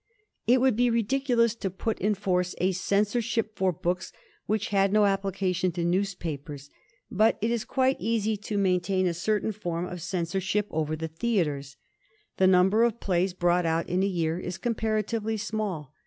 It would be ridiculous to put in force a censor ship for books which had no application to newspapers. But it is quite easy to maintain a certain form of censor ship over the theatres. The number of plays brought out in a year is comparatively small.